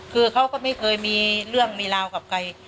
คือเขาก็ไม่เคยมีเรื่องมีราวกับใคร